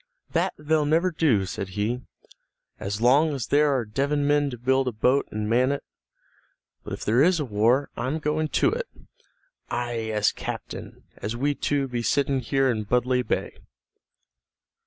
"That they'll never do," said he, "as long as there are Devon men to build a boat and man it. But if there is a war I'm going to it, aye, as certain as we two be sitting here in Budleigh Bay."